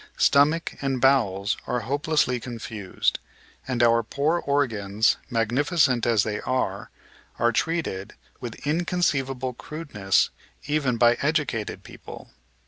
Stomach and bowels are hopelessly confused, and our poor organs, magnificent as they are, are treated with inconceivable crudeness even by educated people.